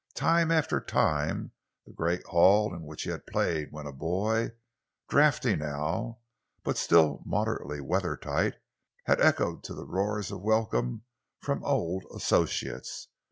Time after time, the great hall in which he had played when a boy, draughty now but still moderately weather tight, had echoed to the roars of welcome from old associates.